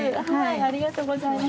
ありがとうございます。